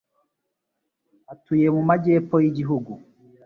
atuye mu MAJY'EPFO y'igihugu".